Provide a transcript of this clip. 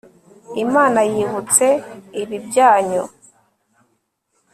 imana yibutse ibi byanyu